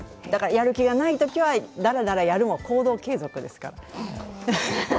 やる気がないときは、だらだらやるも行動継続ですから。